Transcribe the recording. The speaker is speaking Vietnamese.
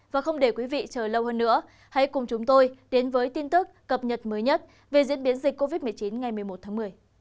và không để quý vị chờ lâu hơn nữa hãy cùng chúng tôi đến với tin tức cập nhật mới nhất về diễn biến dịch covid một mươi chín ngày một mươi một tháng một mươi